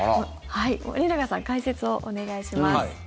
森永さん解説をお願いします。